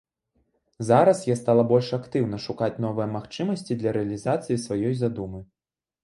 Зараз я стала больш актыўна шукаць новыя магчымасці для рэалізацыі сваёй задумы.